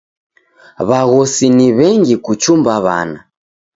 W'aghosi ni w'engi kuchumba w'ana.